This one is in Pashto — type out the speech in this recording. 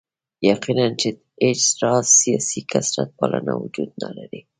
یقیناً چې هېڅ راز سیاسي کثرت پالنه وجود نه لري.